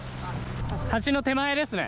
橋の手前ですね。